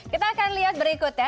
kita akan lihat berikut ya